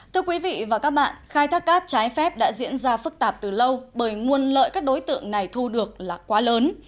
thưa quý vị và các bạn khai thác cát trái phép đã diễn ra phức tạp từ lâu bởi nguồn lợi các đối tượng này thu được là quá lớn